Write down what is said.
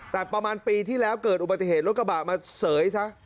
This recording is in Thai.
แต่ประมาณปีที่แล้วเกิดอุบัติเหตุรถกระบะมาเสยซะ